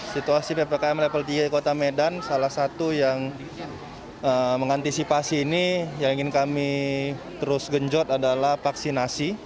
situasi ppkm level tiga kota medan salah satu yang mengantisipasi ini yang ingin kami terus genjot adalah vaksinasi